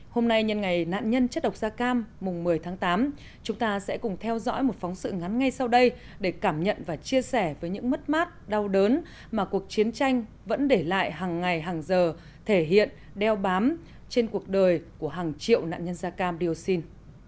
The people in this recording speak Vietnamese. hôm nay nhân ngày nạn nhân chất độc da cam mùng một mươi tháng tám chúng ta sẽ cùng theo dõi một phóng sự ngắn ngay sau đây để cảm nhận và chia sẻ với những mất mát đau đớn mà cuộc chiến tranh vẫn để lại hàng ngày hàng giờ thể hiện đeo bám trên cuộc đời của hàng triệu nạn nhân da cam dioxin